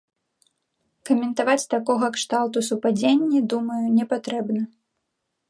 Каментаваць такога кшталту супадзенні, думаю, не патрэбна.